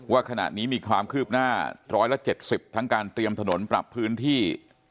ว่าขณะนี้มีความคืบหน้า๑๗๐ทั้งการเตรียมถนนปรับพื้นที่